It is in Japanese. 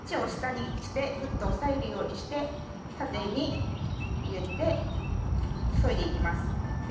切り口を下にして押さえるようにして縦に包丁を入れてそいでいきます。